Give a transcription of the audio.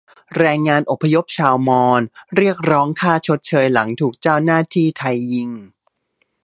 แรงงานอพยพชาวมอญเรียกร้องค่าชดเชยหลังถูกเจ้าหน้าที่ไทยยิง